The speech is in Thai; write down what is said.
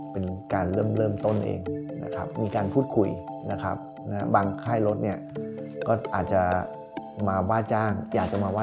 วันนี้ต้องเรียนขึ้นว่ามันเริ่มมีการพูดคุยนะครับ